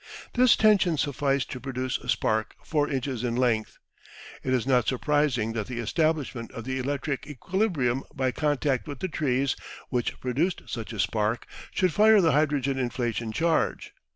This tension sufficed to produce a spark 4 inches in length. It is not surprising that the establishment of the electric equilibrium by contact with the trees, which produced such a spark should fire the hydrogen inflation charge.